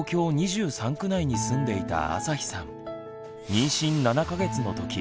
妊娠７か月のとき